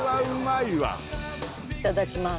いただきます。